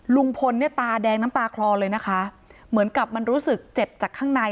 ลุงพลเนี่ยตาแดงน้ำตาคลอเลยนะคะเหมือนกับมันรู้สึกเจ็บจากข้างใน